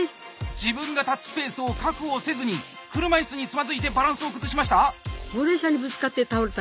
自分が立つスペースを確保せずに車いすにつまずいてバランスを崩しました？